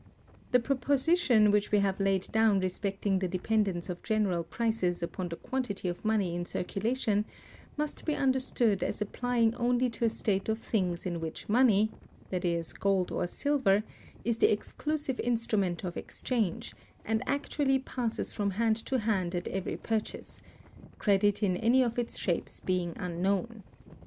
The proposition which we have laid down respecting the dependence of general prices upon the quantity of money in circulation must be understood as applying only to a state of things in which money—that is, gold or silver—is the exclusive instrument of exchange, and actually passes from hand to hand at every purchase, credit in any of its shapes being unknown.